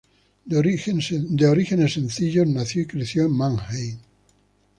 De orígenes sencillos nació y creció en Mannheim.